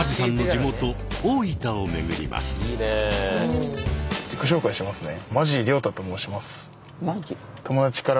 自己紹介しますね。